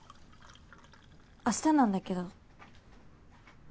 あしたなんだけど。